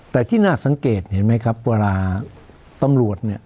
แต่ที่น่าสังเกตเห็นไหมครับเวลาตำรวจเนี่ย